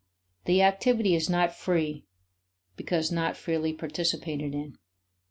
The activity is not free because not freely participated in.